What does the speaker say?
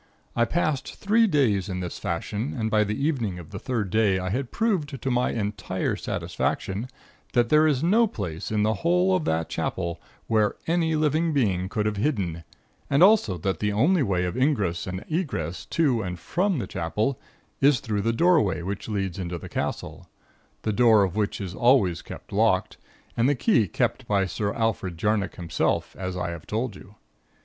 I passed three days in this fashion, and by the evening of the third day I had proved to my entire satisfaction that there is no place in the whole of that Chapel where any living being could have hidden, and also that the only way of ingress and egress to and from the Chapel is through the doorway which leads into the castle, the door of which was always kept locked, and the key kept by Sir Alfred Jarnock himself, as I have told you.